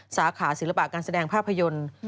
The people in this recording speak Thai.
สาขาศิลปะการแสดงภาพยนตร์